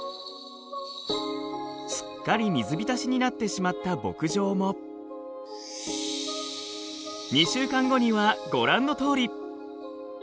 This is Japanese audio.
すっかり水浸しになってしまった牧場も２週間後にはご覧のとおり。